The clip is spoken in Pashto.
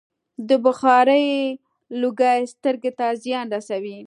د بخارۍ لوګی سترګو ته زیان رسوي.